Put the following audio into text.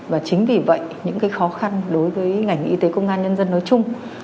và chính vì vậy những khó khăn đối với ngành y tế công an nhân dân nói chung